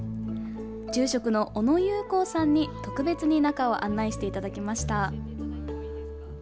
住職の小野悠弘さんに、特別に中を案内していただきました。